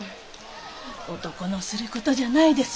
男のする事じゃないですよ。